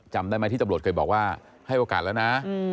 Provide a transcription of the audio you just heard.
จำได้ไหมที่ตำรวจเคยบอกว่าให้โอกาสแล้วนะ